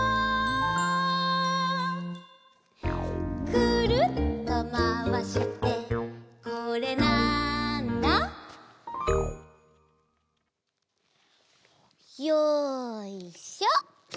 「くるっとまわしてこれ、なんだ？」よいしょ！